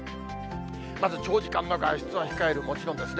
まず長時間の外出は控える、もちろんですね。